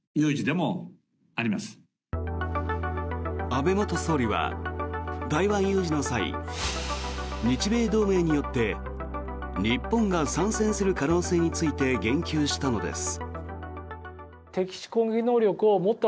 安倍元総理は台湾有事の際、日米同盟によって日本が参戦する可能性について言及したのです。